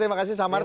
terima kasih samara